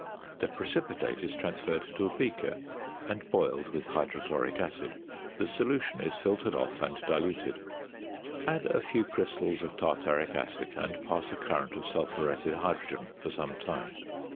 The precipitate is transferred to a beaker and boiled with hydrochloric acid; the solution is filtered off and diluted. Add a few crystals of tartaric acid, and pass a current of sulphuretted hydrogen for some time.